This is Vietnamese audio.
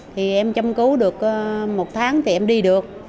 thì em châm cứu được một tháng thì em đi được